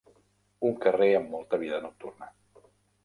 Un carrer amb molta vida nocturna.